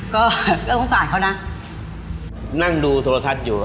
ก็ต้องฝ่าเขาน่ะนั่งดูทรทัศน์อยู่